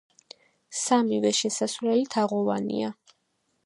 სამივე შესასვლელი თაღოვანია.